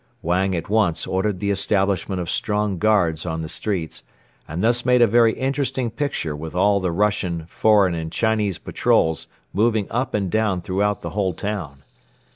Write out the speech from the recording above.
Wang at once ordered the establishment of strong guards on the streets and thus made a very interesting picture with all the Russian, foreign and Chinese patrols moving up and down throughout the whole town.